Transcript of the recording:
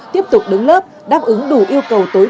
tiếp tục đứng lớp đáp ứng đủ yêu cầu tối